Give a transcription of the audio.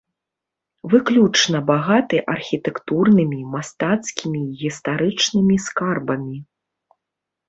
Выключна багаты архітэктурнымі, мастацкімі і гістарычнымі скарбамі.